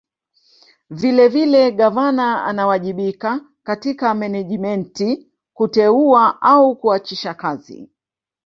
Vilevile Gavana anawajibika katika Menejimenti kuteua au kuachisha kazi